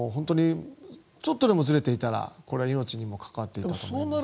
ちょっとでもずれていたら命に関わっていたと思います。